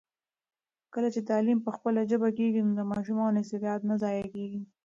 کله چي تعلیم په خپله ژبه کېږي، د ماشومانو استعداد نه ضایع کېږي.